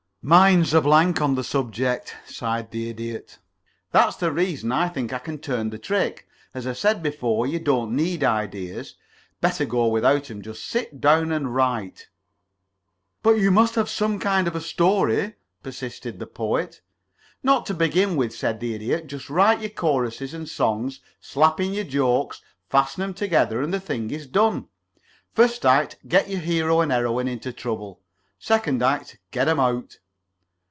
"Mind's a blank on the subject," sighed the Idiot. "That's the reason I think I can turn the trick. As I said before, you don't need ideas. Better go without 'em. Just sit down and write." "But you must have some kind of a story," persisted the Poet. "Not to begin with," said the Idiot. "Just write your choruses and songs, slap in your jokes, fasten 'em together, and the thing is done. First act, get your hero and heroine into trouble. Second act, get 'em out."